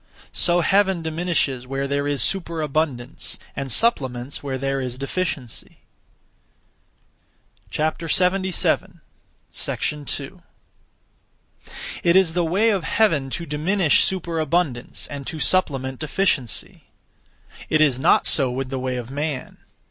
(So Heaven) diminishes where there is superabundance, and supplements where there is deficiency. 2. It is the Way of Heaven to diminish superabundance, and to supplement deficiency. It is not so with the way of man.